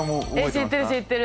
知ってる知ってる。